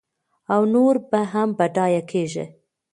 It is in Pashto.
او نور به هم بډایه کېږي.